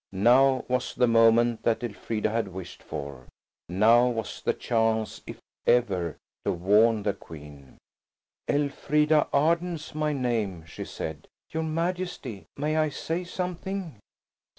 Now was the moment that Elfrida had wished for, now was the chance, if ever, to warn the Queen. "Elfrida Arden's my name," she said. "Your Majesty, may I say something?"